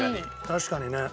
確かにね。